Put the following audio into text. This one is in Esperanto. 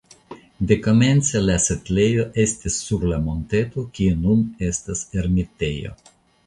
Dekomence la setlejo estis sur la monteto kie nun estas ermitejo.